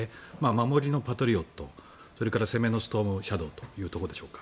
守りのパトリオットそれから攻めのストームシャドーというところでしょうか。